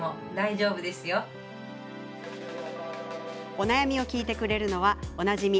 お悩みを聞いてくれるのはおなじみ